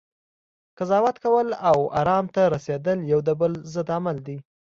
قضاوت کول، او ارام ته رسیدل یو د بل ضد عمل دی